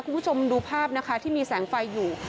คุณผู้ชมดูภาพนะคะที่มีแสงไฟอยู่